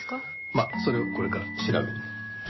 まあそれをこれから調べるの。